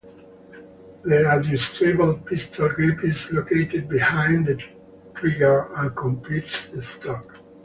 The adjustable pistol grip is located behind the trigger and completes the stock.